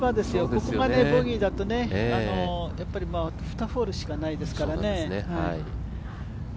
ここまでボギーだとあと２ホールしかないですから。